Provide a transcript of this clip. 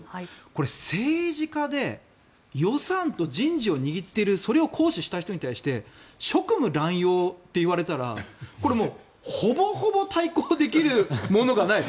これ、政治家で予算と人事を握っているそれを行使した人に対して職務乱用と言われたらこれはもうほぼほぼ対抗できるものがない。